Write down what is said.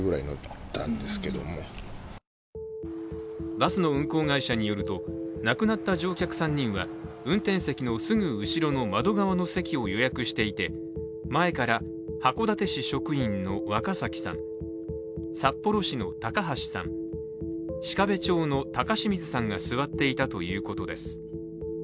バスの運行会社によると亡くなった乗客３人は、運転席のすぐ後ろの窓側の席を予約していて前から、函館市職員の若崎さん、札幌市の高橋さん、鹿部町の高清水さんが座っていたということです。